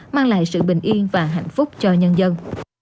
mang lại sự bình yên và hạnh phúc cho nhân dân